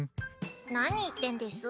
何言ってんです？